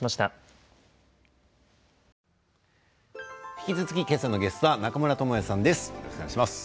引き続き、今朝のゲストは中村倫也さんですお願いします。